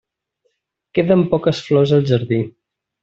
Queden poques flors al jardí.